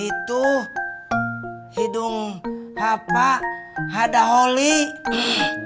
itu hidung papa ada holey